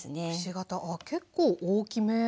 あっ結構大きめに。